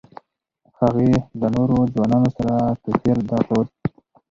هغې له نورو ځوانانو سره توپیر درلود